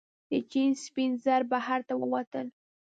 د چین سپین زر بهر ته ووتل.